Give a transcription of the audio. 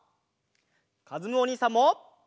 かずむおにいさんも！